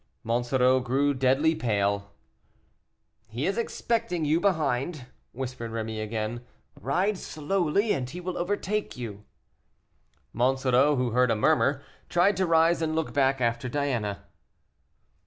Monsoreau grew deadly pale. "He is expecting you behind," whispered Rémy, again, "ride slowly, and he will overtake you." Monsoreau, who heard a murmur, tried to rise and look back after Diana.